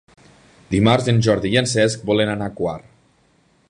Dimarts en Jordi i en Cesc volen anar a la Quar.